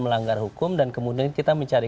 melanggar hukum dan kemudian kita mencari